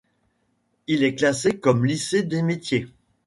Il est classé comme lycée des métiers.